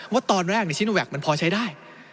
ว่าตอนแรกในซิโนแวคมันพอใช้ได้